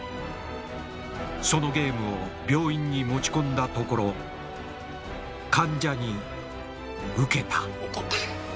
そのゲームを病院に持ち込んだところ患者にウケたウケた。